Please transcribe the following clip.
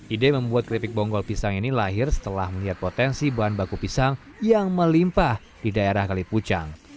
ide membuat keripik bonggol pisang ini lahir setelah melihat potensi bahan baku pisang yang melimpah di daerah kalipucang